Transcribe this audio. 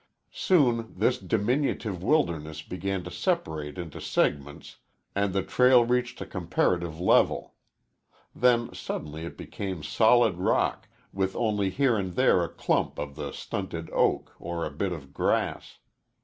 Soon this diminutive wilderness began to separate into segments and the trail reached a comparative level. Then suddenly it became solid rock, with only here and there a clump of the stunted oak, or a bit of grass.